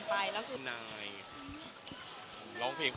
ไม่รู้คุณไม่แฮส